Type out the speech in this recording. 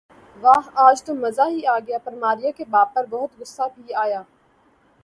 واہ آج تو مزہ ہی آ گیا پر ماریہ کے باپ پر بہت غصہ بھی آیا